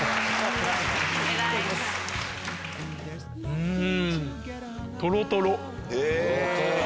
うん！